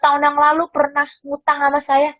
lima belas tahun yang lalu pernah ngutang sama saya